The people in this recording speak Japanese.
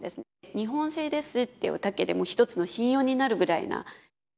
日本製ですっていうだけでも一つの信用になるぐら